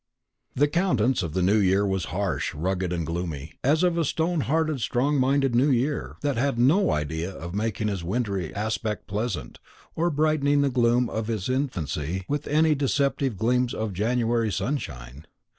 The countenance of the new year was harsh, rugged, and gloomy as of a stony hearted, strong minded new year, that had no idea of making his wintry aspect pleasant, or brightening the gloom of his infancy with any deceptive gleams of January sunshine.